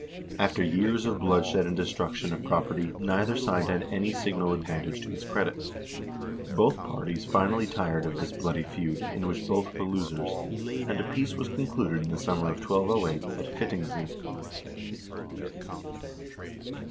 After years of bloodshed and destruction of property neither side had any signal advantage to its credit. Both parties finally tired of this bloody feud, in which both were losers, and a peace was concluded in the summer of 1208 at Hvittingsey.